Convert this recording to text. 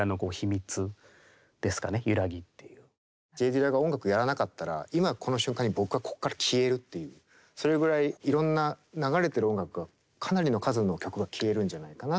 Ｊ・ディラが音楽をやらなかったら今この瞬間に僕はこっから消えるというそれぐらいいろんな流れてる音楽がかなりの数の曲が消えるんじゃないかな。